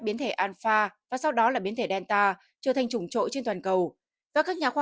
biến thể anfa và sau đó là biến thể delta trở thành chủng trội trên toàn cầu và các nhà khoa